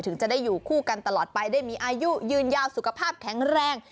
ถึงจะได้อยู่คู่กันตลอดไปได้มีอายุยืนยาวสุขภาพแข็งแรง